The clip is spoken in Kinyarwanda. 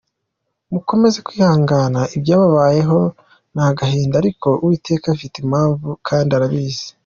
Mukomeze kwihangana, ibyababayeho n’agahinda!ariko Uwiteka afite impamvu kdi arabazi.